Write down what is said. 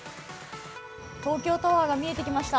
東京タワーが見えてきました。